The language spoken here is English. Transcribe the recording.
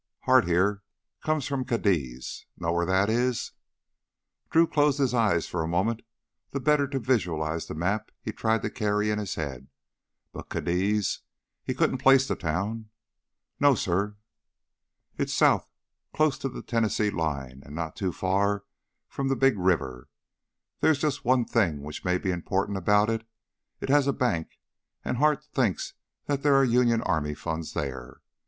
"Hart, here, comes from Cadiz. Know where that is?" Drew closed his eyes for a moment, the better to visualize the map he tried to carry in his head. But Cadiz he couldn't place the town. "No, suh." "It's south, close to the Tennessee line and not too far from the big river. There's just one thing which may be important about it; it has a bank and Hart thinks that there are Union Army funds there.